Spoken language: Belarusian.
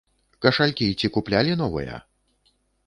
Кашалькі ці куплялі новыя?